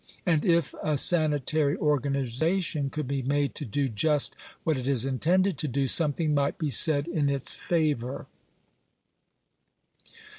And if a sanitary organization could be made to do just what it is intended to do, something might be said in its favour.